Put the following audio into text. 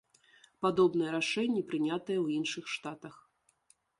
Падобныя рашэнні прынятыя ў іншых штатах.